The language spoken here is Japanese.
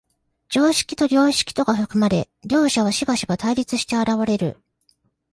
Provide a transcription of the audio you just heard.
常識と良識とが含まれ、両者はしばしば対立して現れる。